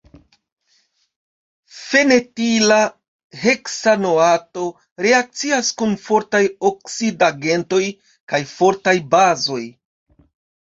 Fenetila heksanoato reakcias kun fortaj oksidigagentoj kaj fortaj bazoj.